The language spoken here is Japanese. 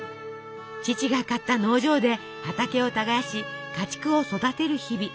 父が買った農場で畑を耕し家畜を育てる日々。